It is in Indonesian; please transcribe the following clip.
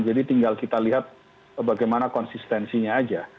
jadi tinggal kita lihat bagaimana konsistensinya aja